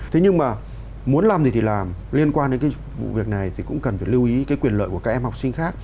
thế nhưng mà muốn làm gì thì làm liên quan đến cái vụ việc này thì cũng cần phải lưu ý cái quyền lợi của các em học sinh khác